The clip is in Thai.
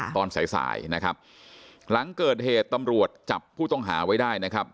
ตอนสายสายนะครับหลังเกิดเหตุตำรวจจับผู้ต้องหาไว้ได้นะครับ